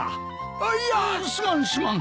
あっいやすまんすまん。